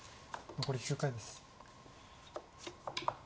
残り９回です。